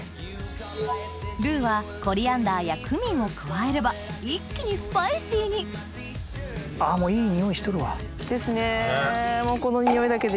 ルーはコリアンダーやクミンを加えれば一気にスパイシーにあもういい匂いしとるわ。ですね。